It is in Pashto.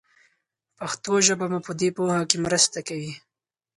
پښتو ژبه مو په دې پوهه کې مرسته کوي.